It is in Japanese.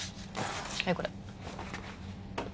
はいこれ。